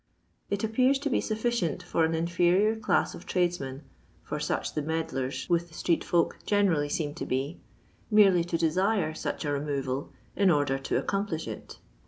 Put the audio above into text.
It appears to be sufficient for an inferior class of tradesmen — for such the meddlers with the street folk generally seem to be — merely to desire such a removal in order to accomplish it.